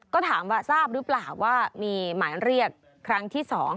ก็ถามว่าทราบหรือเปล่าว่ามีหมายเรียกครั้งที่๒